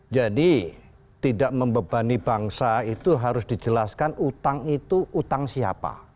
jadi tidak membebani bangsa itu harus dijelaskan utang itu utang siapa